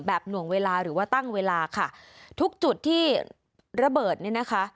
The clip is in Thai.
หน่วงเวลาหรือว่าตั้งเวลาค่ะทุกจุดที่ระเบิดเนี่ยนะคะ